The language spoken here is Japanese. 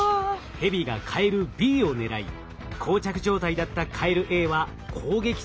ヘビがカエルＢを狙いこう着状態だったカエルＡは攻撃されずに済むことも分かりました。